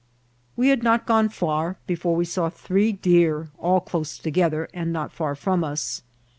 We had not gone far before we saw three deer all dose together, and not £ar from us.